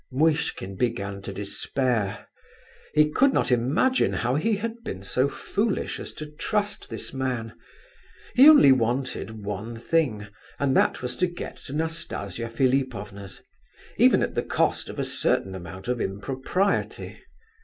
Muishkin began to despair. He could not imagine how he had been so foolish as to trust this man. He only wanted one thing, and that was to get to Nastasia Philipovna's, even at the cost of a certain amount of impropriety.